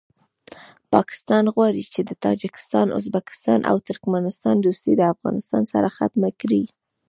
پاکستان غواړي چې د تاجکستان ازبکستان او ترکمستان دوستي د افغانستان سره ختمه کړي